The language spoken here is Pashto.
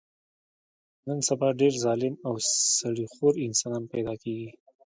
نن سبا ډېر ظالم او سړي خور انسانان پیدا کېږي.